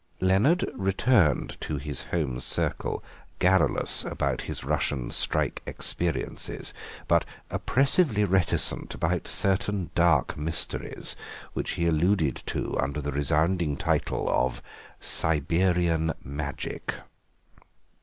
Leonard returned to his home circle garrulous about his Russian strike experiences, but oppressively reticent about certain dark mysteries, which he alluded to under the resounding title of Siberian Magic.